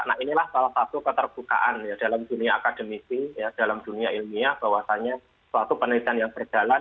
nah inilah salah satu keterbukaan ya dalam dunia akademisi dalam dunia ilmiah bahwasannya suatu penelitian yang berjalan